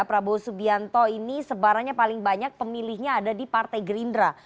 prabowo subianto ini sebarannya paling banyak pemilihnya ada di partai gerindra